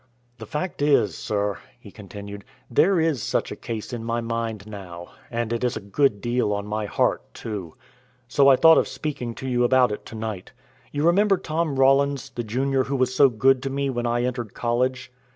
"The fact is, sir," he continued, "there is such a case in my mind now, and it is a good deal on my heart, too. So I thought of speaking to you about it to night. You remember Tom Rollins, the Junior who was so good to me when I entered college?"